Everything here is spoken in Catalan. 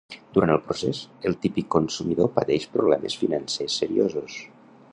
Durant el procés, el típic consumidor pateix problemes financers seriosos.